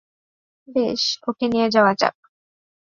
বেশ, ওকে নিয়ে যাওয়া যাক।